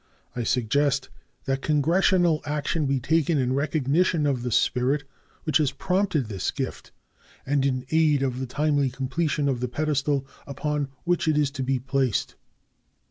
I suggest that Congressional action be taken in recognition of the spirit which has prompted this gift and in aid of the timely completion of the pedestal upon which it is to be placed.